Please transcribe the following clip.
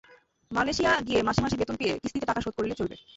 Malaysia গিয়ে মাসে মাসে বেতন পেয়ে কিস্তিতে টাকা শোধ করলে চলবে।